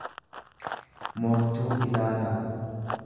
mortuu ilaalaa.